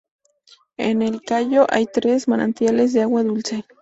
En el cayo hay tres manantiales de agua dulce.